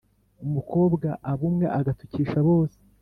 Umukobwa aba umwe agatukisha bose.